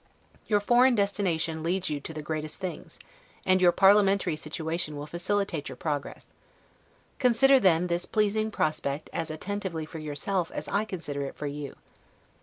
Your foreign destination leads to the greatest things, and your parliamentary situation will facilitate your progress. Consider, then, this pleasing prospect as attentively for yourself as I consider it for you.